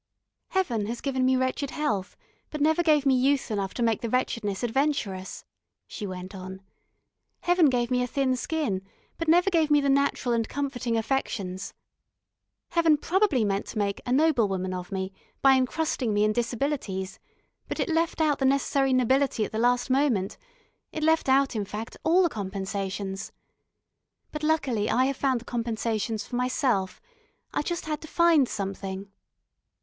"Heaven has given me wretched health, but never gave me youth enough to make the wretchedness adventurous," she went on. "Heaven gave me a thin skin, but never gave me the natural and comforting affections. Heaven probably meant to make a noble woman of me by encrusting me in disabilities, but it left out the necessary nobility at the last moment; it left out, in fact, all the compensations. But luckily I have found the compensations for myself; I just had to find something.